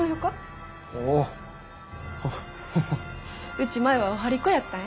うち前はお針子やったんえ。